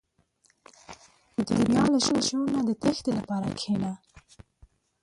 • د دنیا له شور نه د تیښتې لپاره کښېنه.